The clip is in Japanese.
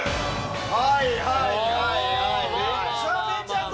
はいはいはいはい。